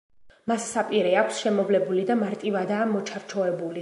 მას საპირე აქვს შემოვლებული და მარტივადაა მოჩარჩოებული.